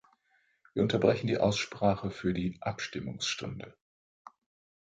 Wir unterbrechen die Aussprache für die Abstimmungsstunde.